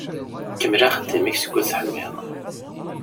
Kemmel axeddim-ik skud teḥmiḍ.